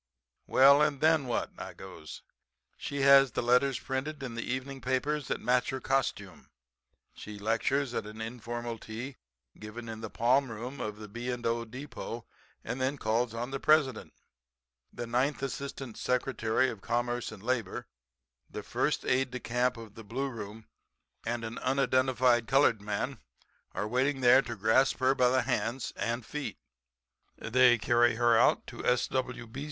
"'Well and then what?' I goes. 'She has the letters printed in the evening papers that match her costume, she lectures at an informal tea given in the palm room of the B. & O. Depot and then calls on the President. The ninth Assistant Secretary of Commerce and Labor, the first aide de camp of the Blue Room and an unidentified colored man are waiting there to grasp her by the hands and feet. They carry her out to S.W. B.